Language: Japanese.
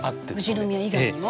富士宮以外にも？